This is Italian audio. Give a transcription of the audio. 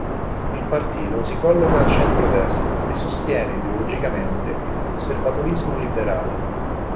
Il partito si colloca a centro-destra e sostiene ideologicamente il conservatorismo liberale.